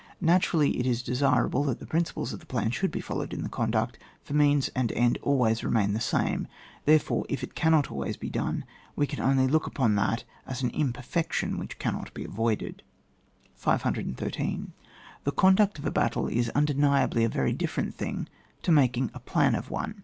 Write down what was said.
Naturally, it is desirable that the principles of the plan should be followed in the conduct, for means and end always remain the same ; therefore, if it cannot always be done, we can only look upon that as an impeiiection which cannot be avoided. 166 ON WAR. 513. The conduct of a battle is unde niably a veiy different thing to making a plan for one.